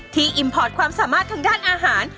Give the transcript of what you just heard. ที่อิมปอร์ตความสามารถเชิงตั้งด้านอาหาร